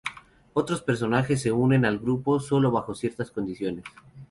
Otros personajes se unen al grupo solo bajo ciertas condiciones.